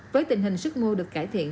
với tình hình sức mua được cải thiện